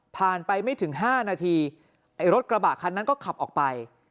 ไปไม่ถึง๕นาทีไอ้รถกระบะคันนั้นก็ขับออกไป